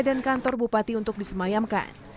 dan kantor bupati untuk disemayamkan